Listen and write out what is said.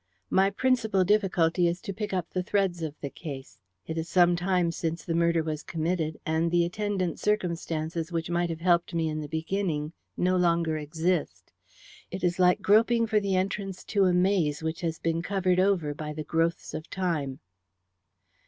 My principal difficulty is to pick up the threads of the case. It is some time since the murder was committed, and the attendant circumstances which might have helped me in the beginning no longer exist. It is like groping for the entrance to a maze which has been covered over by the growths of time."